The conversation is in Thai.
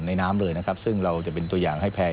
น้ำเลยนะครับซึ่งเราจะเป็นตัวอย่างให้แพง